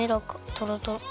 とろとろ！